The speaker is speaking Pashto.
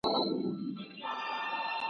نه یې ږغ سوای تر شپانه ور رسولای .